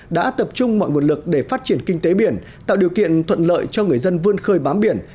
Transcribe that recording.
đã tập trung mọi nguồn lực để phát triển kinh tế biển tạo điều kiện thuận lợi cho người dân vươn khơi bám biển